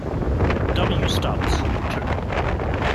W. Stubbs, ii.